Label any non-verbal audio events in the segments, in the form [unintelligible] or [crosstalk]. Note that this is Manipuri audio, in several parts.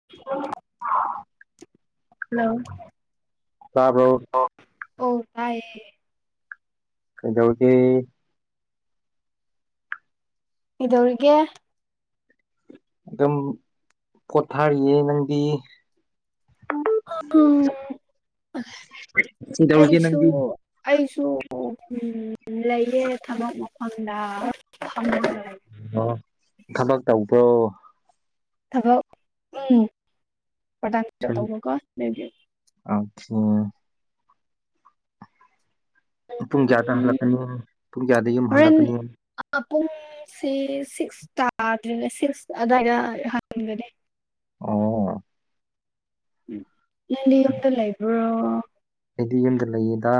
ꯍꯜꯂꯣ ꯇꯥꯔꯕ꯭ꯔ ꯑꯣ ꯇꯥꯏꯌꯦ ꯗ ꯍꯧꯗꯤ ꯏꯧꯒ ꯑꯗꯨꯝ ꯄꯣꯊꯥꯔꯤꯌꯦ ꯅꯪꯗꯤ ꯀꯩꯗꯧꯔꯤꯒꯦ ꯅꯪꯗꯤ ꯑꯩꯁꯨꯣ ꯑꯩꯁꯨ ꯎ ꯂꯩꯌꯦꯦ ꯊꯕꯛ ꯃꯐꯝꯗ ꯐ ꯑꯣ ꯊꯕꯛ ꯇꯧꯕ꯭ꯔꯣ ꯊꯕꯛ ꯎꯝ ꯄ꯭ꯔꯗꯥ ꯇꯧꯕꯀꯣꯕꯤꯌꯨ ꯑ ꯄꯨꯡ ꯀꯌꯥꯗ ꯎꯝ ꯍꯜꯂꯛꯀꯅꯤ ꯄꯨꯡ ꯀꯌꯥꯗ ꯌꯨꯝ ꯍꯜꯂꯛꯀꯅꯤ ꯃꯄꯨꯡꯁꯤ ꯁꯤꯛꯁ ꯇꯥꯗ꯭ꯔꯤꯅꯦ ꯁꯤꯛꯁ ꯑꯗꯨꯋꯥꯏꯗ ꯍꯒꯅꯤ ꯑꯣ ꯎ ꯅꯅꯤꯉꯝꯗ ꯂꯩꯕ꯭ꯔꯣ ꯑꯩꯗꯤ ꯌꯨꯝꯗ ꯂꯩꯌꯦꯗ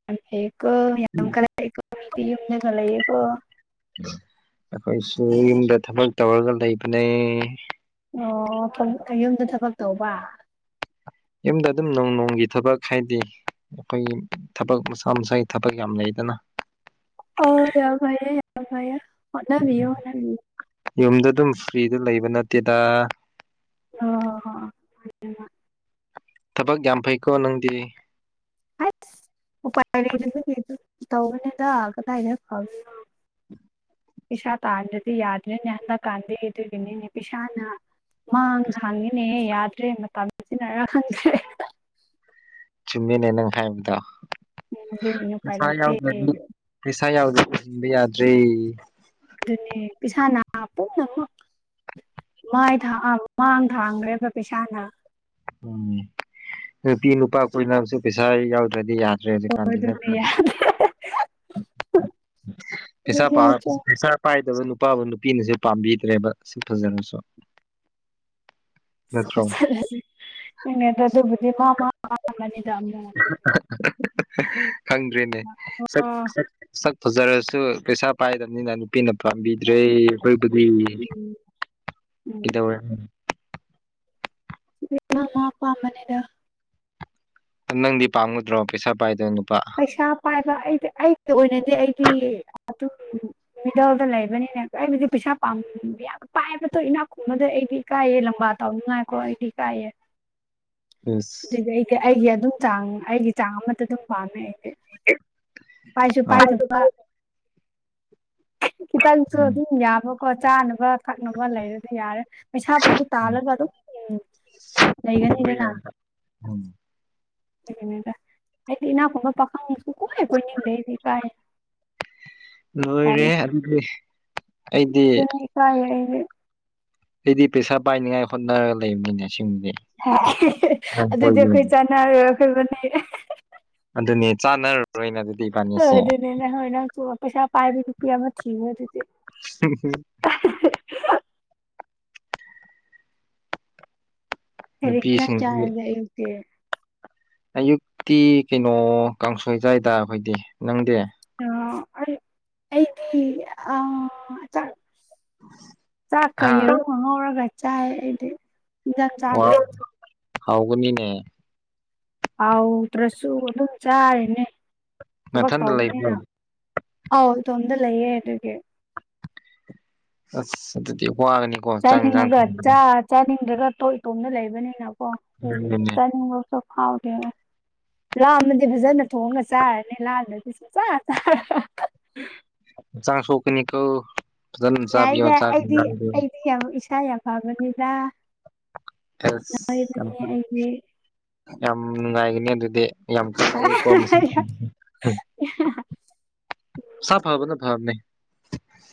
[inaudible] ꯑꯩꯈꯣꯏꯁꯨ ꯌꯨꯝꯗ ꯊꯕꯛ ꯇꯧꯔꯒ ꯂꯩꯕꯅꯦ꯫ ꯑꯣ ꯌꯨꯝꯗ ꯊꯕꯛ ꯇꯧꯕ꯫ ꯌꯨꯝꯗ ꯑꯗꯨꯝ ꯅꯣꯡ ꯅꯣꯡꯒꯤ ꯊꯕꯛ ꯍꯥꯏꯗꯤ꯫ ꯑꯩꯈꯣꯏꯒꯤ ꯊꯕꯛ ꯃꯁꯥ ꯃꯁꯥꯒꯤ ꯊꯕꯛ ꯌꯥꯝ ꯂꯩꯗꯅ꯫ ꯑꯣ ꯌꯥꯝ ꯐꯩꯌꯦ ꯌꯥꯝ ꯐꯩꯌꯦ ꯍꯣꯠꯅꯕꯤꯌꯨ ꯍꯣꯠꯅꯕꯤꯌꯨ꯫ ꯌꯨꯝꯗ ꯑꯗꯨꯝ ꯐ꯭ꯔꯤꯗ ꯂꯩꯕ ꯅꯠꯇꯦꯗ꯫ ꯑꯣ ꯍ ꯊꯕꯛ ꯌꯥꯝ ꯐꯩꯀꯣ ꯅꯪꯗꯤ ꯑꯁ ꯎꯄꯥꯏ ꯇꯧꯅꯦꯗꯒꯗꯥ ꯍꯥꯏꯩꯅ ꯐ ꯄꯁꯥ ꯇꯥꯔꯗꯗꯤ ꯌꯥꯗꯅꯦ ꯅꯍꯟꯗ ꯀꯥꯟꯙꯗꯨ ꯀꯅꯤꯅꯦ ꯄꯤꯁꯥꯅ ꯃꯥꯡꯗ ꯍꯥꯡꯉꯤꯅꯦꯍ ꯌꯥꯗ꯭ꯔꯦ ꯃꯇꯝ ꯁꯤꯖꯤꯟꯅꯔ ꯈꯪꯗ꯭ꯔꯦ ꯆꯨꯝꯃꯤꯅꯦ ꯅꯪ ꯍꯥꯏꯥꯏꯕꯗ ꯎꯅ ꯄꯔ ꯇꯦ ꯄꯩꯁꯥ ꯌꯥꯎꯗꯅ ꯍꯤꯡꯕ ꯌꯥꯗ꯭ꯔꯦ꯫ ꯑꯗꯨꯅꯦ ꯄꯩꯁꯥꯅ ꯄꯨꯝꯅꯃꯛ꯫ ꯃꯥꯏ ꯊ ꯃꯥꯡ ꯊꯥꯡꯈ꯭ꯔꯦꯕ ꯄꯩꯁꯥꯅ꯫ ꯎꯝ ꯅꯨꯄꯤ ꯅꯨꯄꯥ ꯀꯨꯏꯅꯁꯨ ꯄꯩꯁꯥ ꯌꯥꯎꯗ꯭ꯔꯗꯤ ꯌꯥꯗ꯭ꯔꯦ ꯍꯧꯖꯤꯛꯀꯥꯟꯗꯤ ꯅꯠꯇ꯭ꯔ꯫ ꯑꯣꯏꯗꯣꯏꯅꯦ ꯄꯩꯁꯥ ꯄꯩꯁꯥ ꯄꯥꯏꯗꯕ ꯅꯨꯄꯥꯕꯨ ꯅꯨꯄꯤꯅꯁꯨ ꯄꯥꯝꯕꯤꯗ꯭ꯔꯦꯕ ꯁꯛ ꯐꯖꯔꯁꯨ꯫ ꯅꯠꯇ꯭ꯔꯣ ꯃꯁꯛ ꯑꯁꯤꯒ ꯑꯗꯨꯕꯨꯗꯤ ꯃꯥ ꯃꯒꯤ ꯑꯄꯥꯝꯕꯅꯤꯗ꯫ [unintelligible] ꯈꯪꯗ꯭ꯔꯦꯅꯦ ꯁꯛ ꯑꯣ ꯁꯛ꯫ ꯁꯛ ꯐꯖꯔꯁꯨ ꯄꯩꯁꯥ ꯄꯥꯏꯗꯝꯅꯤꯅ ꯅꯨꯄꯤꯅ ꯄꯥꯝꯕꯤꯗ꯭ꯔꯦ꯫ ꯑꯩꯕꯨꯗꯤ ꯎꯝ ꯎꯝ ꯀꯩꯗꯧꯔꯦ꯫ ꯃꯥ ꯃꯥ ꯑꯄꯥꯝꯕꯅꯤꯗ꯫ ꯅꯪꯗꯤ ꯄꯥꯝꯒꯗ꯭ꯔꯣ ꯄꯩꯁꯥ ꯄꯥꯏꯗꯕ ꯅꯨꯄꯥ꯫ ꯄꯩꯁꯥ ꯄꯥꯏꯕ ꯑꯩꯗꯤ ꯑꯩꯒꯤ ꯑꯣꯏꯅꯗꯤ ꯑꯩꯗꯤ ꯑꯗꯨ꯫ ꯃꯤꯗꯜꯗ ꯂꯩꯕꯅꯤꯅꯦ ꯑꯩꯕꯨꯗꯤ ꯄꯩꯁꯥ ꯄꯥꯝ ꯌꯥꯝ ꯄꯥꯏꯕꯗꯣ ꯏꯅꯥꯛ ꯈꯨꯕꯗ ꯑꯩꯗꯤ꯫ ꯏꯀꯥꯏꯌꯦ ꯂꯝꯕꯥ ꯇꯧ ꯅꯨꯡꯉꯥꯏꯀꯣ ꯑꯩꯗꯤ ꯏꯀꯥꯏꯌꯦ꯫ ꯏꯁ꯫ ꯑꯩ ꯑꯩꯒꯤ ꯑꯗꯨꯝ ꯆꯥꯡ ꯑꯩꯒꯤ ꯆꯥꯡ ꯑꯃꯠꯇ ꯑꯗꯨꯝ ꯄꯥꯝꯃꯦ ꯑꯩꯗꯤ꯫ ꯄꯥꯏꯁꯨ ꯑ ꯄꯥꯏꯗꯕ ꯈꯤꯇꯪꯁꯨ ꯎꯝ ꯑꯗꯨꯝ ꯌꯥꯕꯀꯣ ꯆꯥꯅꯕ ꯊꯛꯅꯕ ꯂꯩꯔꯗꯤ ꯌꯥꯔꯦ꯫ ꯄꯩꯁꯥ ꯄꯨꯗꯤ ꯇꯥꯜꯂꯒ ꯑꯗꯨꯝ ꯎꯝ ꯂꯩꯒꯅꯤꯗꯅ꯫ ꯎꯝ ꯑꯗꯨꯒꯤꯅꯤꯗ ꯑꯩꯗꯤ ꯏꯅꯥꯈꯣ ꯄꯈꯪ ꯁꯨꯡꯀꯣꯏ ꯀꯣꯏꯅꯤꯡꯗꯦ ꯑꯩꯗꯤ ꯏꯀꯥꯏꯌꯦ꯫ ꯂꯣꯏꯔꯦ ꯑꯗꯨꯗꯤ ꯑꯩꯗꯤ꯫ ꯑꯗꯨꯅ ꯏꯀꯥꯏꯌꯦ ꯑꯩꯗꯤ꯫ ꯑꯩꯗꯤ ꯄꯩꯁꯥ ꯄꯥꯏꯅꯤꯡꯉꯥꯏ ꯍꯣꯠꯅꯔꯒ ꯂꯩꯕꯅꯤꯅꯦ ꯑꯁꯦꯡꯕꯗꯤ꯫ ꯑꯗꯨꯗꯤ ꯑꯩꯈꯣꯏ ꯆꯥꯟꯅꯔꯣꯏ ꯑꯩꯈꯣꯏ ꯏꯕꯅꯤ꯫ ꯑꯗꯨꯅꯤ ꯆꯥꯅꯔ ꯔꯣꯏꯅꯦ ꯑꯗꯨꯗꯤ ꯏꯕꯅꯤ꯫ ꯍꯣꯏ ꯑꯗꯨꯅꯦ ꯅꯪ ꯍꯣꯏ ꯅꯪꯁꯨ ꯄꯩꯁꯥ ꯄꯥꯏꯕ ꯅꯨꯄꯤ ꯑꯃ ꯊꯤꯔꯣ ꯑꯗꯨꯗꯤ꯫ [unintelligible] ꯀꯔꯤ ꯏꯟꯁꯥꯡ ꯅꯨꯄꯤꯁꯤꯡꯗꯤ ꯆꯥꯔꯒꯦ ꯑꯌꯨꯛꯇꯤ꯫ ꯑꯌꯨꯛꯇꯤ ꯀꯩꯅꯣ ꯀꯥꯡꯁꯣꯏ ꯆꯥꯏꯗ ꯑꯩꯈꯣꯏꯗꯤ ꯅꯪꯗꯤ꯫ ꯑ ꯑꯩꯗꯤ ꯑ꯫ ꯆꯥꯛ ꯆꯥꯛꯀ ꯍꯥ ꯌꯦꯔꯨꯝꯒ ꯉꯧꯔꯒ ꯆꯥꯌꯦ ꯑꯩꯗꯤ꯫ ꯏꯟꯖꯥꯡ ꯆꯥꯗꯦ ꯋꯥ ꯍꯥꯎꯒꯅꯤꯅꯦ꯫ ꯍꯥꯎꯗ꯭ꯔꯁꯨ ꯑꯗꯨꯝ ꯆꯥꯔꯤꯅꯦ ꯊꯕꯛ ꯅꯊꯟꯗ ꯂꯩꯕ꯭ꯔꯣ ꯇꯧꯕꯅꯤꯅ꯫ ꯑꯧ ꯏꯇꯣꯝꯇ ꯂꯩꯌꯦ ꯑꯗꯨꯒꯤ꯫ ꯑꯁ ꯑꯗꯨꯗꯤ ꯋꯥꯔꯅꯤ꯫ ꯆꯥꯅꯤꯡꯉꯒ ꯆ ꯆꯥꯅꯤꯡꯗ꯭ꯔꯒ ꯇꯣ ꯏꯇꯣꯝꯅ ꯂꯩꯕꯅꯤꯅꯀꯣ ꯊꯣꯡꯕꯗ ꯆꯥꯅꯤꯡꯕ ꯍꯥꯎꯒꯦꯦ ꯂꯥꯃꯗꯤ ꯐꯖꯅ ꯊꯣꯡꯉ ꯆꯥꯔꯅꯤ ꯂꯥꯗꯗꯤ ꯁ ꯆ ꯆꯥꯔ ꯍꯛꯆꯥꯡ ꯁꯣꯛ ꯀꯅꯤꯀꯣ ꯐꯖꯅ ꯆꯥꯕꯤꯌꯣ ꯌꯥꯏꯗ ꯆꯥꯛ ꯑꯩꯗꯤ ꯏꯟꯁꯥꯡꯗꯣ ꯑꯩꯗꯤ ꯏꯁꯥ ꯌꯥꯝ ꯐꯕꯅꯤꯗ ꯑꯁ ꯑꯗꯨꯅꯦ ꯑꯩꯗꯤ ꯌꯥꯝ ꯅꯨꯡꯉꯥꯏꯒꯅꯤ ꯑꯗꯨꯗꯤ ꯌꯥꯝ ꯐꯩꯌꯦꯀꯣ ꯁꯥ ꯐꯕ ꯐꯥꯕꯅꯦ꯫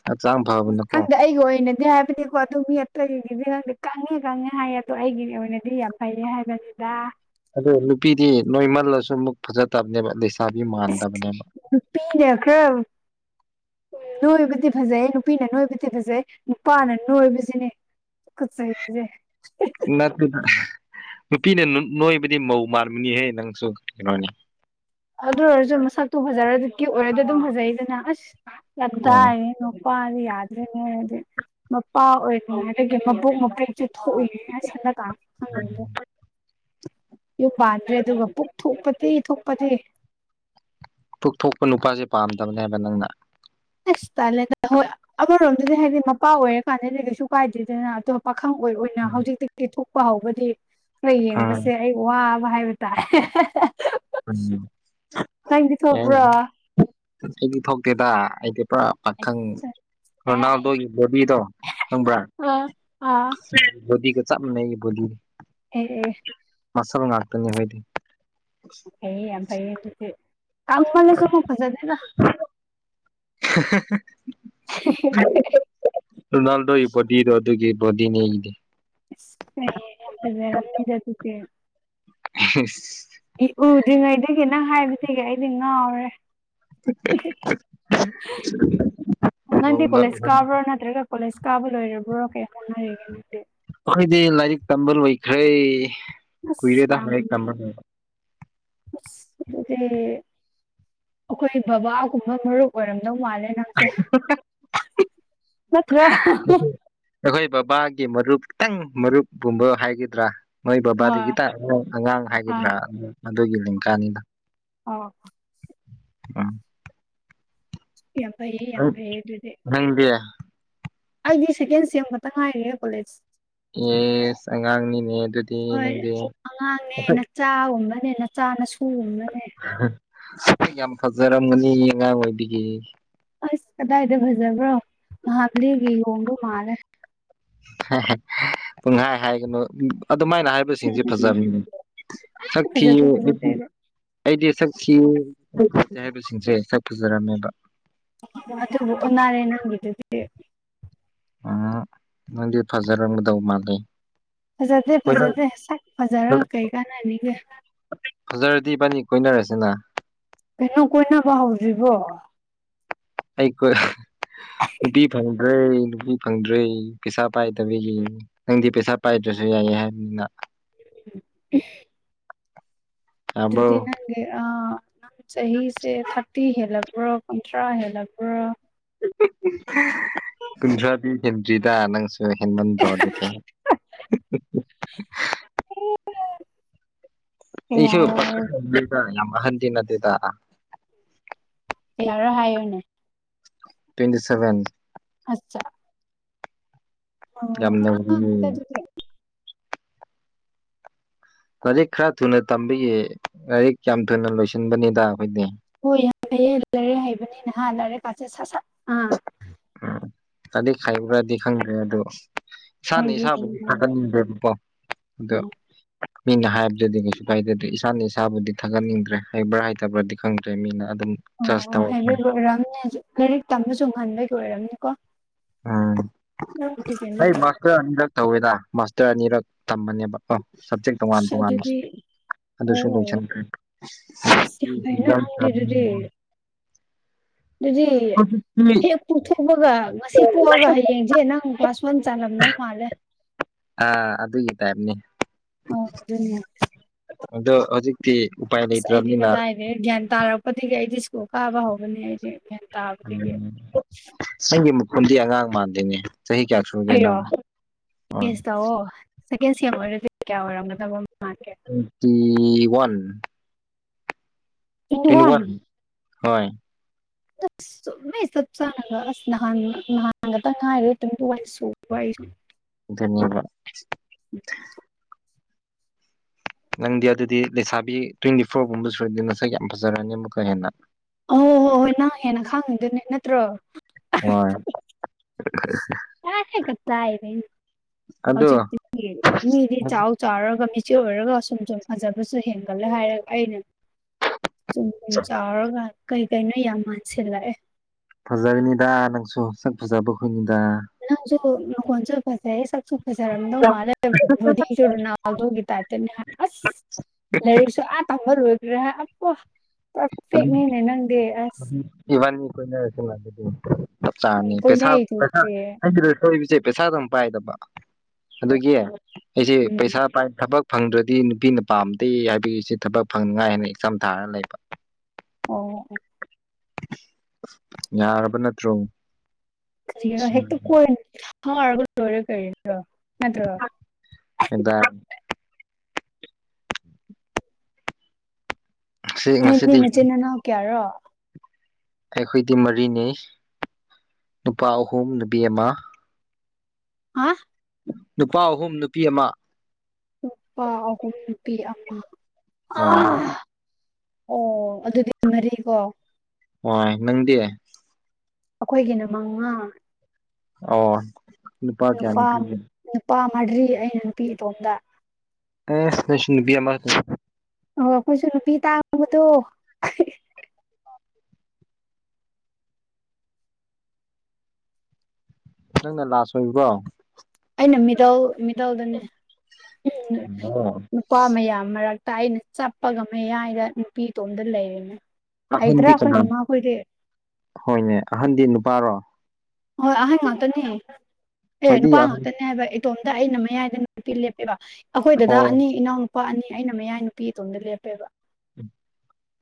ꯍꯥꯛꯆꯥꯡ ꯐ ꯎ ꯈꯪꯗꯦ ꯑꯩꯒꯤ ꯑꯣꯏꯅꯗꯤ ꯌꯥꯏ ꯍꯥꯏꯕꯗꯤꯀꯣ ꯑꯗꯨ ꯃꯤ ꯑꯇꯩꯒꯤꯗꯤ ꯅꯪꯗꯤ ꯀꯪꯉꯦ ꯀꯪꯉꯦ ꯍꯥꯏꯌꯦ ꯑꯗꯣ ꯑꯩꯒꯤꯗꯤ ꯑꯣꯏꯅꯗꯤ ꯌꯥꯝ ꯐꯩꯌꯦ ꯍꯥꯏꯕꯅꯤꯗ꯫ ꯑꯗꯣ ꯅꯨꯄꯤꯗꯤ ꯅꯣꯏ ꯃꯜꯂꯁꯨ ꯑꯃꯨꯛ ꯐꯖꯠꯇꯕꯅꯦꯕ ꯂꯩꯁꯥꯕꯤ ꯃꯥꯟꯗꯕꯅꯦꯕ꯫ ꯅꯨꯄꯤꯅ ꯈꯔ ꯎꯝ ꯅꯣꯏꯕꯗꯤ ꯐꯖꯩ ꯅꯨꯄꯤꯅ ꯅꯣꯏꯕꯗꯤ ꯐꯖꯩ ꯅꯨꯄꯥꯅ ꯅꯣꯏꯕꯁꯤꯅꯦ꯫ ꯀꯠꯇ ꯍꯥꯏ ꯅꯠꯇꯗ ꯅꯨꯄꯤꯅ ꯅꯣꯏꯕꯨꯗꯤ ꯃꯧ ꯃꯥꯟꯕꯅꯤꯍꯦ ꯅꯪꯁꯨ ꯀꯩꯅꯣꯅꯦ ꯑꯗꯨ ꯑꯣꯏꯔꯁꯨ ꯃꯁꯛꯇꯣ ꯐꯖꯔꯗꯤ ꯑꯣꯏꯔꯗꯤ ꯑꯗꯨꯝ ꯐꯖꯩꯗꯅ ꯑꯁ ꯌꯥꯝ ꯎꯝ ꯇꯥꯏꯔꯦ ꯄꯥꯔꯗꯤ ꯌꯥꯗꯔꯦ ꯅꯣꯏꯔꯗꯤ ꯃꯄꯥ ꯑꯣꯏꯔꯣ ꯍꯥꯏꯔꯒꯥ ꯃꯕꯣꯛ ꯃꯕꯦꯛꯁꯦ ꯊꯣꯛ ꯌꯨꯝ ꯄꯟꯗ꯭ꯔꯦ ꯑꯗꯨꯒ ꯄꯨꯛ ꯊꯣꯛꯄꯗꯤ ꯊꯣꯛꯄꯗꯤ ꯄꯨꯛꯊꯣꯛꯄ ꯅꯨꯄꯥꯁꯦ ꯄꯥꯝꯗꯕꯅꯦꯕ ꯅꯪꯅ ꯑꯁ ꯇꯟꯂꯦꯗ ꯍꯣꯏ ꯑꯃꯔꯣꯝꯗꯗꯤ ꯍꯥꯏꯗꯤ ꯃꯄꯥ ꯑꯣꯏꯔꯀꯥꯟꯗꯗꯤ ꯀꯩꯁꯨ ꯀꯥꯏꯗꯦꯗꯅ ꯑꯇꯣꯞꯄ ꯄꯥꯈꯪ ꯑꯣꯏ ꯑꯣꯏꯅ ꯍꯧꯖꯤꯛꯇꯩ ꯄꯦꯊꯣꯛꯄ ꯍꯧꯕꯗꯤ ꯈꯔ ꯎꯝ ꯌꯦꯡꯕꯁꯦ ꯑꯩ ꯋꯥꯕ ꯍꯥꯏꯕ ꯇꯥꯏ ꯎꯝ ꯑꯦ ꯑꯩꯗꯤ ꯊꯣꯛꯇꯦꯗ ꯑꯩꯗꯤ ꯄꯨꯔꯥ ꯄꯥꯈꯪ ꯑꯁ ꯍꯥꯏ ꯔꯣꯅꯥꯜꯗꯣꯒꯤ ꯕꯣꯗꯤꯗꯣ ꯈꯪꯕ꯭ꯔꯥ ꯑꯥ ꯑꯥ ꯕꯣꯗꯤꯒ ꯆꯞ ꯃꯥꯟꯅꯩ ꯕꯣꯗꯤ ꯑꯦ ꯃꯁꯜ ꯅꯥꯛꯇꯅꯤ ꯑꯩꯈꯣꯏꯗꯤ ꯌꯥꯏꯌꯦ ꯌꯥꯝ ꯐꯩꯌꯦ ꯑꯗꯨꯗꯤ ꯀꯪꯃꯜꯂꯁꯨ ꯐꯖꯗꯦꯗ [unintelligible] [unintelligible] [unintelligible] ꯔꯣꯅꯥꯜꯗꯣ ꯕꯣꯗꯤꯗꯣ ꯑꯗꯨꯒꯤ ꯕꯣꯗꯤ ꯅꯤ ꯑꯩꯗꯤ [unintelligible] ꯏꯁ ꯎꯗ꯭ꯔꯤꯉꯩꯗꯒꯤ ꯅꯪ ꯍꯥꯏꯕꯁꯤꯒ ꯑꯩꯗꯤ ꯉꯥꯎꯔꯦ ꯅꯪꯗꯤ ꯀꯣꯂꯦꯖ ꯀꯥꯕ꯭ꯔꯣ [unintelligible] ꯅꯠꯇ꯭ꯔꯒ ꯀꯣꯂꯦꯖ ꯀꯥꯕ ꯂꯣꯏꯔꯕ꯭ꯔꯣ ꯀꯩ ꯍꯣꯠꯅꯔꯤꯒꯦ ꯅꯪꯗꯤ ꯑꯩꯈꯣꯏꯗꯤ ꯂꯥꯏꯔꯤꯛ ꯇꯝꯕ ꯂꯣꯏꯈ꯭ꯔꯦ ꯑꯁ ꯀꯨꯏꯔꯦꯗ ꯌꯥꯝ ꯂꯥꯏꯔꯤꯛ ꯇꯝꯕ ꯂꯣꯏꯕ ꯑꯗꯨꯗꯤ ꯑꯩꯈꯣꯏ ꯕꯕꯥꯒꯨꯝꯕ ꯃꯔꯨꯞ ꯑꯣꯏꯔꯝꯗꯧ ꯃꯥꯜꯂꯦ ꯅꯪ ꯅꯠꯇ꯭ꯔ ꯑꯩꯈꯣꯏ ꯕꯕꯥꯒꯤ ꯃꯔꯨꯞꯇꯪ ꯃꯔꯨꯞꯀꯨꯝꯕ ꯍꯥꯏꯒꯗ꯭ꯔꯥ ꯅꯣꯏ ꯕꯕꯥꯗꯒꯤ ꯍꯣꯏ ꯈꯤꯇꯪ ꯑꯉꯥꯡ ꯑꯉꯥꯡ ꯍꯥꯏꯒꯗ꯭ꯔꯥ ꯑꯥ ꯑꯗꯨ ꯑꯗꯨꯒꯤ ꯂꯦꯡꯀꯥꯅꯤꯗ ꯑꯣ ꯎꯝ ꯌꯥꯝ ꯐꯩꯌꯦ ꯌꯥꯝ ꯐꯩꯌꯦ ꯑꯗꯨꯗꯤ ꯅꯪꯗꯤ ꯑꯩꯗꯤ ꯁꯦꯀꯦꯟ ꯁꯦꯝ ꯈꯛꯇ ꯉꯥꯏꯔꯤꯌꯦ ꯀꯣꯂꯦꯖ ꯑꯦꯁ ꯑꯉꯥꯡꯅꯤꯅꯦ ꯑꯗꯨꯗꯤ ꯅꯪꯗꯤ ꯆꯥ ꯒꯨꯝꯕꯅꯦ ꯅꯆꯥ ꯅꯁꯨ ꯒꯨꯝꯕꯅꯦ ꯌꯥꯝ ꯐꯖꯔꯝꯃꯥꯅꯤ ꯑꯉꯥꯡ ꯑꯣꯏꯕꯒꯤ ꯑꯁ ꯀꯗꯥꯏꯗ ꯐꯖꯕ꯭ꯔꯣ ꯃꯍꯥꯕꯥꯂꯤ ꯒꯤ ꯌꯣꯡꯗꯣ ꯃꯥꯜꯂꯦ ꯄꯨꯡꯍꯥꯏ ꯍꯥꯏꯒꯅꯨ ꯑꯗꯨꯃꯥꯏꯅ ꯍꯥꯏ ꯍꯥꯏꯕꯥ ꯁꯤꯡꯁꯦ ꯁꯦꯡꯕꯅꯦ ꯐꯖꯕꯅꯦ ꯁꯛ ꯐꯖꯗꯦ ꯊꯤꯕ ꯅꯨꯄꯤ ꯐꯖꯗꯦꯗꯣ ꯑꯩꯗꯤ ꯁꯛ ꯊꯤꯌꯦ ꯍꯥꯏꯕꯁꯤꯡꯁꯦ ꯁꯛ ꯐꯖꯔꯝꯃꯦꯕ ꯑꯗꯨꯕꯨ ꯑꯣꯟꯅꯔꯦ ꯅꯪꯒꯤꯗꯨꯗꯤ ꯎꯝ ꯅꯪꯗꯤ ꯐꯖꯔꯝꯒꯗꯧ ꯃꯥꯜꯂꯦ ꯐꯖꯗꯦ ꯀꯣꯏꯅ ꯐꯖꯗꯦ ꯁꯛ ꯐꯖꯔꯒ ꯀꯩ ꯀꯥꯟꯅꯅꯤꯒꯦ ꯐꯖꯔꯗꯤ ꯏꯕꯥꯅꯤ ꯀꯣꯏꯅꯔꯁꯦꯅ ꯀꯩꯅꯣ ꯀꯣꯏꯅꯕ ꯍꯧꯗ꯭ꯔꯤꯕꯣ ꯑꯩꯀꯣ ꯅꯨꯄꯤ ꯐꯪꯗ꯭ꯔꯦ ꯅꯨꯄꯤ ꯐꯪꯗ꯭ꯔꯦ ꯄꯩꯁꯥ ꯄꯥꯏꯗꯕꯒꯤ ꯅꯪꯗꯤ ꯄꯩꯁꯥ ꯄꯥꯏꯗ꯭ꯔꯁꯨ ꯌꯥꯏ ꯍꯥꯏꯕꯅꯤꯅ [inaudible] ꯑꯗꯨꯗꯤ ꯌꯥꯕ꯭ꯔꯣ ꯅꯪ ꯅꯪꯒꯤ ꯑꯥ ꯆꯍꯤꯁꯦ ꯊꯥꯔꯇꯤ ꯍꯦꯜꯂꯕꯔꯣ ꯀꯨꯟꯊ꯭ꯔꯥ ꯍꯦꯜꯂꯕꯔꯣ ꯀꯨꯟꯊ꯭ꯔꯥꯗꯤ ꯍꯦꯟꯗ꯭ꯔꯤꯗ ꯅꯪꯁꯨ ꯍꯦꯟꯃꯟꯗ꯭ꯔꯣ ꯑꯗꯨꯗꯤ ꯍ ꯑꯩꯁꯨ ꯌꯥꯝ ꯑꯍꯟꯗꯤ ꯅꯠꯇꯦꯗ ꯌꯥꯎꯔꯣ ꯍꯥꯏꯌꯨꯅꯦ ꯇ꯭ꯋꯦꯟꯇꯤ ꯁꯚꯦꯟ ꯑꯆꯥ ꯌꯥꯝ ꯑꯉꯥꯡ ꯅꯧꯔꯤꯌꯦ ꯅꯤꯗ ꯑꯗꯨꯗꯤ ꯂꯥꯏꯔꯤꯛ ꯈꯔ ꯊꯨꯅ ꯇꯝꯕꯤꯒꯤ ꯂꯥꯏꯔꯤꯛ ꯌꯥꯝ ꯊꯨꯅ ꯂꯣꯏꯁꯤꯟꯕꯅꯤꯗ ꯑꯩꯈꯣꯏꯗꯤ ꯍꯣꯏ ꯌꯥꯝ ꯍꯩꯌꯦ ꯂꯩꯔꯤꯛ ꯍꯩꯕꯅꯤꯅ ꯍꯥ ꯂꯥꯏꯔꯤꯛ ꯀꯥꯁꯦ ꯁꯠ ꯁꯠ ꯑꯥ ꯎꯝ ꯂꯥꯏꯔꯤꯛ ꯍꯩꯕ꯭ꯔꯗꯤ ꯈꯪꯗ꯭ꯔꯦ ꯑꯗꯣ ꯏꯁꯥꯅ ꯏꯁꯥꯕꯨꯗꯤ ꯍꯩꯕꯒꯤꯅꯦ ꯊꯥꯒꯠꯅꯤꯡꯗ꯭ꯔꯦꯕꯀꯣ ꯑꯗꯣ ꯑ ꯃꯤꯅ ꯍꯥꯏꯕ ꯑꯗꯨꯗꯤ ꯀꯩꯁꯨ ꯀꯥꯏꯗꯦꯗ ꯏꯁꯥꯅ ꯏꯁꯥꯕꯨꯗꯤ ꯊꯥꯒꯠꯅꯤꯡꯗ꯭ꯔꯦ ꯍꯩꯕ꯭ꯔꯥ ꯍꯩꯇꯕ꯭ꯔꯥꯗꯤ ꯈꯪꯗ꯭ꯔꯦ ꯃꯤꯅ ꯑꯗꯨꯝ ꯖꯁ ꯑꯣ ꯇꯧꯔꯛꯄꯅꯦ ꯍꯩꯕꯒꯤ ꯑꯣꯏꯔꯝꯅꯦ ꯂꯥꯏꯔꯤꯛ ꯇꯝꯕꯁꯨ ꯉꯟꯕꯒꯤ ꯑꯣꯏꯔꯝꯅꯤꯀꯣ ꯑꯥ ꯑꯗꯨꯒꯤꯅꯦ ꯑꯩ ꯍꯣꯏ ꯃꯥ ꯈꯔꯥ ꯑꯅꯤꯔꯛ ꯇꯧꯋꯦꯗ ꯃꯥꯁꯇꯔ ꯑꯅꯤꯔꯛ ꯇꯝꯕꯅꯦꯕꯀꯣ ꯁꯕꯖꯦꯛ ꯇꯣꯉꯥꯟ ꯑꯁ ꯇꯣꯉꯥꯟꯕ ꯑꯗꯨꯗꯤ ꯑꯗꯨꯁꯨ ꯑꯣ ꯂꯣꯏꯁꯤꯟꯈ꯭ꯔꯦ ꯑꯁ ꯌꯥꯝ ꯐꯩꯅ ꯅꯪꯗꯤ [unintelligible] ꯗꯨꯗꯤ ꯍꯧꯖꯤꯛꯇꯤ ꯍꯦꯛ ꯄꯨꯣꯛꯊꯣꯛꯄꯒ ꯉꯁꯤ ꯄꯣꯛꯑꯒ ꯍꯌꯦꯡꯁꯦ ꯅꯪ ꯀ꯭ꯂꯥꯁ ꯋꯥꯟ ꯆꯥꯂꯝꯗꯧ ꯃꯥꯜꯂꯦ ꯑꯥ ꯑꯗꯨꯒꯤ ꯇꯥꯏꯞꯅꯤ ꯑꯣ ꯑꯗꯨꯅꯦ ꯑꯗꯣ ꯍꯧꯖꯤꯛ ꯎꯄꯥꯏ ꯑꯁ ꯑꯩꯗꯤ ꯂꯩꯇ꯭ꯔꯕꯅꯤꯅ ꯀꯗꯥꯏꯗꯩ ꯒ꯭ꯌꯥꯟ ꯇꯥꯔꯛꯄꯗꯒꯤ ꯑꯩꯗꯤ ꯁ꯭ꯀꯨꯜ ꯀꯥꯕ ꯍꯧꯕꯅꯤ ꯑꯩꯗꯤ ꯒ꯭ꯌꯥꯟ ꯎꯝ ꯇꯥꯕꯗꯒꯤ ꯆꯤꯟꯒꯤ ꯃꯈꯣꯟꯗꯤ ꯑꯉꯥꯡ ꯃꯥꯟꯗꯦꯅꯦ ꯆꯍꯤ ꯀꯌꯥ ꯁꯨꯔꯒꯦ ꯑꯩꯔꯣ ꯅꯪ ꯒꯦꯁ ꯇꯧꯑꯣ ꯁꯦꯀꯦꯟ ꯁꯑꯦꯝ ꯑꯣꯏꯔꯗꯤ ꯀꯌꯥ ꯑꯣꯏꯔꯝꯒꯗꯕ ꯃꯥꯟꯒꯦ ꯇ꯭ꯨꯋꯦꯟꯇꯤ ꯋꯥꯟ ꯇ꯭ꯋꯦꯟꯇꯤ ꯋꯥꯟ ꯍꯣꯏ ꯑꯁ ꯆ ꯆꯥ ꯅꯍꯥꯟ ꯅꯍꯥꯟꯒ ꯇ ꯉꯥꯏꯔꯦ ꯇ꯭ꯋꯦꯟꯇꯤ ꯋꯥꯟ ꯁꯨꯕ ꯑꯩꯁꯨ ꯑꯗꯨꯅꯤꯕ [unintelligible] ꯅꯪꯗꯤ ꯑꯗꯨꯗꯤ ꯂꯩꯁꯥꯕꯤ ꯇ꯭ꯋꯦꯟꯇꯤ ꯐꯣꯔꯒꯨꯝꯕ ꯁꯨꯔꯗꯤ ꯅꯁꯥꯛ ꯌꯥꯝ ꯐꯖꯔꯅꯤ ꯑꯃꯨꯛꯀ ꯍꯦꯟꯅ ꯑꯣꯏ ꯍꯣ ꯍꯣꯏ ꯅꯪ ꯍꯦꯟꯅ ꯈꯥꯡꯉꯤꯗꯨꯅꯦ ꯅꯠꯇ꯭ꯔꯣ ꯍꯣꯏ ꯍꯧꯖꯤꯛ ꯑꯗꯣ ꯃꯤꯗꯤ ꯆꯥꯎ ꯆꯥꯎꯔꯒ ꯃꯤꯆꯦ ꯑꯣꯏꯔꯒ ꯁꯨꯝ ꯁꯨꯝ ꯐꯖꯕꯁꯨ ꯍꯦꯟꯒꯠꯂꯦ ꯍꯥꯏꯔꯒ ꯑꯩꯅ ꯁꯨꯝ ꯁꯨꯝ ꯆꯥꯎꯔꯒ ꯀꯩ ꯀꯩꯅꯣ ꯌꯥꯝ ꯃꯥꯟꯁꯤꯜꯂꯛꯑꯦ ꯐꯖꯩꯅꯤꯗ ꯅꯪꯁꯨ ꯁꯛ ꯐꯖꯥꯕꯒꯨꯝꯅꯤꯗ ꯅꯪꯁꯨ ꯅꯈꯣꯟꯁꯨ ꯐꯖꯩꯌꯦ ꯁꯛꯁꯨ ꯐꯖꯔꯝꯗꯧ ꯃꯥꯜꯂꯦ ꯕꯣꯗꯤꯖꯨ ꯔꯣꯅꯥꯜ ꯅꯥꯜꯗꯣꯒꯤ ꯇꯥꯏꯞꯇꯅꯦ ꯑꯁ ꯂꯩꯔꯤꯛꯁꯨ ꯑ ꯇꯝꯕ ꯂꯣꯏꯈꯒꯔꯦ ꯍ ꯑꯣ ꯏꯕꯥꯅꯤ ꯀꯣꯏꯅꯔꯁꯦ ꯆꯞ ꯆꯥꯅꯤ ꯄꯩꯁꯥ ꯄꯩꯁꯥ ꯀꯣꯏꯅꯩꯗꯨꯗꯤ ꯍꯥꯏꯁꯤꯗ ꯁꯣꯏꯕꯁꯦ ꯄꯩꯁꯥ ꯑꯗꯨꯝ ꯄꯥꯏꯗꯕ ꯑꯗꯨꯒꯤ ꯑꯩꯁꯤ ꯎꯝ ꯄꯩꯁꯥ ꯄꯥꯏ ꯊꯕꯛ ꯐꯪꯗ꯭ꯔꯗꯤ ꯅꯨꯄꯤꯅ ꯄꯥꯝꯗꯦ ꯍꯥꯏꯕꯤꯔꯤꯁꯤ ꯊꯕꯛ ꯐꯪꯅꯤꯉꯥꯏ ꯍꯥꯏꯅ ꯑꯦꯛꯆꯝ ꯊꯥꯔꯒ ꯂꯩꯕ ꯑꯣ ꯌꯥꯔꯕ ꯅꯠꯇ꯭ꯔꯣ ꯍꯦꯛꯇ ꯀꯣꯏꯅꯤ ꯐꯔꯒ ꯂꯣꯏꯔꯦ ꯀꯩꯅꯣ ꯅꯠꯇ꯭ꯔꯣ ꯑꯗ ꯁꯤ ꯅꯣꯏꯗꯤ ꯉꯁꯤꯗꯤ ꯅꯆꯤꯟ ꯅꯅꯥꯎ ꯀꯌꯥꯔꯣ ꯑꯩꯈꯣꯏꯗꯤ ꯃꯔꯤꯅꯤ ꯅꯨꯄꯥ ꯑꯍꯨꯝ ꯅꯨꯄꯤ ꯑꯃ ꯑ ꯅꯨꯄꯥ ꯑꯍꯨꯝ ꯅꯨꯄꯤ ꯑꯃ ꯄꯥꯤ ꯑ ꯍꯣꯏ ꯑꯣ ꯑꯗꯨꯗꯤ ꯃꯔꯤꯀꯣ ꯍ ꯅꯪꯗꯤ ꯑꯩꯈꯣꯏꯒꯤꯅ ꯃꯉꯉꯥ ꯑꯣ ꯀꯌꯥ ꯅꯨꯄꯥ ꯅꯨꯄꯤ ꯅꯨꯄꯥ ꯃꯔꯤ ꯑꯩꯅ ꯅꯨꯄꯤ ꯏꯇꯣꯝꯗ ꯑꯦ ꯂꯨꯁꯤꯕꯤ ꯑ ꯃ ꯑꯣ ꯑꯩꯈꯣꯏꯁꯨ ꯅꯨꯄꯤ ꯇꯥꯡꯕꯗꯣ ꯅꯪꯅ ꯂꯥꯁ ꯑꯣꯏꯕ꯭ꯔꯣ ꯑꯩꯅ ꯃꯤꯇꯜ ꯃꯤꯇꯜꯗꯅꯦ ꯅꯨꯄꯥ ꯃꯌꯥꯝ ꯃꯔꯛꯇ ꯑꯩꯅ ꯆꯞꯄꯒ ꯃꯌꯥꯏꯗ ꯅꯨꯄꯤꯇꯣꯝꯗ ꯂꯩꯔꯤꯝꯅꯦ ꯑꯍꯟꯗꯤ ꯀꯅꯥꯅꯣ ꯍꯣꯏꯅꯦ ꯑꯍꯟꯗꯤ ꯅꯨꯄꯥꯔꯣ ꯍꯣꯏ ꯑ ꯃꯥꯇꯅꯤ ꯀ ꯈ꯭ꯋꯥꯏꯗꯒꯤ ꯑꯍꯟ ꯅꯨꯨꯄꯥꯥ ꯍꯥꯏꯕ ꯏꯇꯣꯝꯗ ꯑꯩꯅ ꯃꯌꯥꯏꯗ ꯅꯨꯄꯤ ꯂꯦꯞꯄꯦꯕ ꯑꯩꯈꯣꯏꯗ ꯑꯣ ꯑꯅꯤ ꯏꯅꯥꯎ ꯅꯨꯄꯥ ꯑꯅꯤ ꯑꯩꯅ ꯃꯌꯥꯏ ꯅꯨꯄꯤ ꯑꯇꯣꯝꯗ ꯂꯦꯞꯄꯦꯕ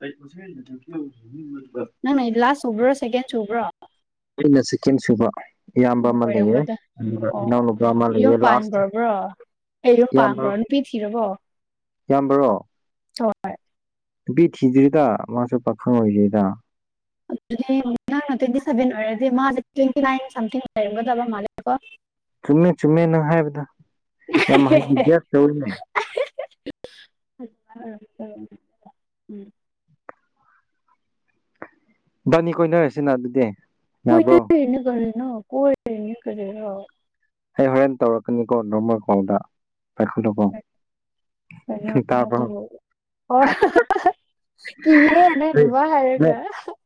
ꯑꯩ ꯄꯁꯥꯏ ꯀ ꯅꯪ ꯅꯪ ꯂꯥꯁ ꯁꯨꯕ꯭ꯔꯣ ꯁꯦꯀꯦꯟ ꯁꯨꯕ꯭ꯔꯣ ꯑꯩꯅ ꯆꯤꯛꯀꯦꯟ ꯁꯨꯕ ꯏꯌꯥꯝꯕ ꯑꯃ ꯂꯩꯌꯦ ꯑꯣꯏꯔꯝꯒꯗ꯭ꯔꯥ ꯑꯗꯨꯒ ꯑꯣ ꯑꯣ ꯏꯅꯥꯎꯅꯨꯄꯥ ꯑꯃ ꯂꯩꯑ ꯂꯥꯁ ꯑꯩꯩꯅꯣ ꯄꯥꯝꯈ꯭ꯔꯣ ꯅꯨꯄꯤ ꯊꯤꯔꯕꯣ ꯌꯥꯝꯕ꯭ꯔꯣ ꯑꯣ ꯅꯨꯄꯤ ꯊꯤꯗ꯭ꯔꯤꯗ ꯃꯥꯁꯨ ꯄꯥꯈꯪ ꯑꯣꯏꯗ꯭ꯔꯤꯗ ꯑꯗꯨꯗꯤ ꯅꯪꯅ ꯇ꯭ꯋꯦꯟꯇꯤ ꯁꯚꯦꯟ ꯑꯣꯏꯔꯗꯤ ꯃꯥꯁꯦ ꯇ꯭ꯋꯦꯟꯇꯤ ꯅꯥꯏꯟ ꯁꯝꯊꯤꯡ ꯂꯩꯔꯝꯒꯗꯕ ꯃꯥ ꯆꯨꯝꯃꯦ ꯆꯨꯝꯃꯦ ꯅꯪ ꯍꯥꯏꯕꯗ ꯌꯥꯝ ꯍꯥꯏꯩꯗꯤ ꯒ꯭ꯌꯥꯁ ꯇꯧꯔꯤꯅꯦ ꯎꯝ ꯕꯥꯅꯤ ꯀꯣꯏꯅꯔꯁꯤꯅ ꯑꯗꯨꯗꯤ ꯑꯩꯣꯏ ꯌꯥꯕ꯭ꯔꯣ ꯇꯅꯤ ꯀꯅ ꯀꯣꯏꯅꯤ ꯀꯦ ꯑꯩ ꯍꯣꯔꯦꯟ ꯇꯧꯔꯛꯀꯅꯤꯀꯣ ꯅꯣꯔꯃꯜ ꯀꯥꯎꯜꯗ ꯄꯥꯏꯈꯠꯂꯨꯀꯣ ꯑ ꯍ ꯀꯍꯦ ꯑꯦꯅꯦ ꯑꯩ ꯅꯨꯅꯨꯡꯃ ꯅꯣꯏ ꯍꯥꯏꯔꯒ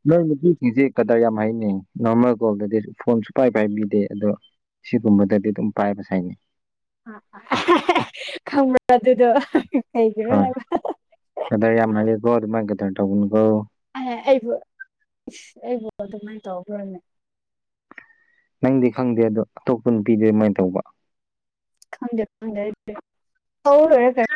ꯅꯣꯏ ꯅꯨꯄꯤꯁꯤꯡꯁꯤꯦ ꯀꯗꯥꯏ ꯌꯥꯝ ꯍꯥꯏꯅꯩ ꯅꯣꯔꯃꯜ ꯀꯣꯜꯗꯗꯤ ꯐꯣꯟ ꯁꯨꯄꯥꯏ ꯄꯥꯏꯕꯤꯗꯦ ꯑꯗꯣ ꯁꯤꯒꯨꯝꯕꯗꯗꯤ ꯑꯗꯨꯝ ꯄꯥꯏꯕꯁ ꯍꯥꯏꯅꯤ ꯈꯕ ꯑꯗꯨꯗꯣ ꯀꯩꯒꯤꯔ ꯍꯥꯏꯕ ꯑꯗ ꯌꯥꯝꯅ ꯀꯣ ꯑꯗꯨꯗꯤ ꯃꯦ ꯇ ꯇꯧꯕꯅꯒꯣ ꯑꯩꯕꯨ ꯑꯩꯕꯨ ꯑꯗꯨꯃꯥꯏꯅ ꯇꯧꯈ꯭ꯔꯅꯦ ꯅꯪꯗꯤ ꯈꯪꯗꯦ ꯑꯗꯣ ꯑꯇꯣꯞꯄꯅ ꯄꯤꯗꯦ ꯑꯗꯨꯃꯥꯏꯅ ꯇꯧꯕ ꯈꯪꯗꯦ ꯈꯪꯗꯦ ꯑꯩꯗꯤ ꯇꯧꯔꯥ ꯂꯣꯏꯔꯦ ꯀꯩꯅꯣ